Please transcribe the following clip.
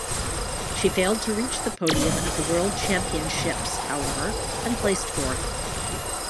She failed to reach the podium at the world championships however, and placed fourth.